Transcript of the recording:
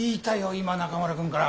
今中村くんから。